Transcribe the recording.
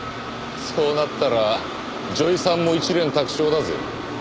そうなったら女医さんも一蓮托生だぜ。